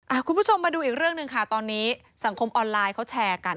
คุณผู้ชมมาดูอีกเรื่องหนึ่งค่ะตอนนี้สังคมออนไลน์เขาแชร์กัน